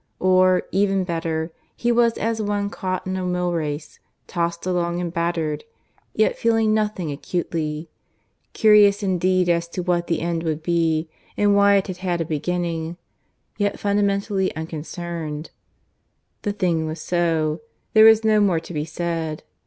Or, even better, he was as one caught in a mill race, tossed along and battered, yet feeling nothing acutely, curious indeed as to what the end would be, and why it had had a beginning, yet fundamentally unconcerned. The thing was so: there was no more to be said.